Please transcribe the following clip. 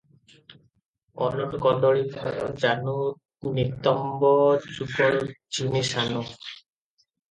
"ଓଲଟ କଦଳୀ ପ୍ରାୟ ଜାନୁ ନିତମ୍ବ ଯୁଗଳ ଜିଣି ସାନୁ ।"